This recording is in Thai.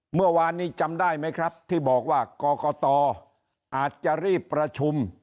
เมื่อวานนี้จำได้ไหมครับที่บอกว่ากรกตอาจจะรีบประชุม